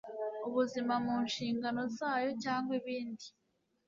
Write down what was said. Ubuzima mu nshingano zayo cyangwa ibindi